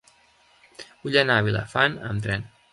Vull anar a Vilafant amb tren.